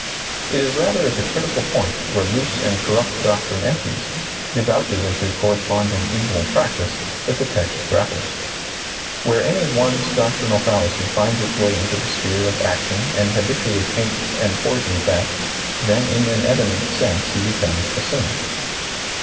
It is rather at the critical point where loose and corrupt doctrine empties, debouches into corresponding evil practice, that the text grapples. Where any one's doctrinal fallacy finds its way into the sphere of action and habitually taints and poisons that, then in an eminent sense he becomes a sinner.